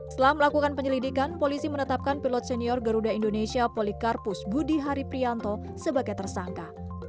setelah melakukan penyelidikan polisi menetapkan pilot senior garuda indonesia polikarpus budi hari prianto sebagai tersangka